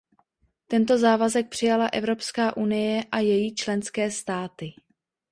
Tento závazek přijala Evropská unie a její členské státy.